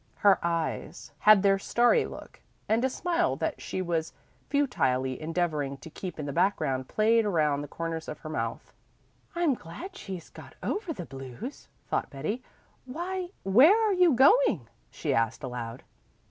Her eyes had their starry look, and a smile that she was futilely endeavoring to keep in the background played around the corners of her mouth. "I'm glad she's got over the blues," thought Betty. "Why, where are you going?" she asked aloud.